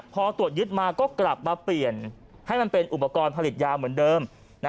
พอตรวจยึดมาก็กลับมาเปลี่ยนให้มันเป็นอุปกรณ์ผลิตยาเหมือนเดิม